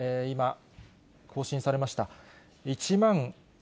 今、更新されました。